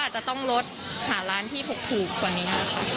อาจจะต้องลดหาร้านที่ถูกกว่านี้ค่ะ